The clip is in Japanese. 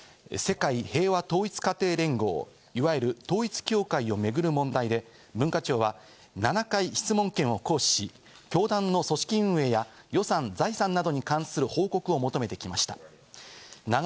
世界平和統一家庭連合、いわゆる統一教会を巡る問題で、文化庁は７回質問権を行使し、教団の組織運営や予算・財産などに関する報告を求めてきました。